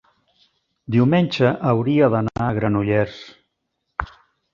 diumenge hauria d'anar a Granollers.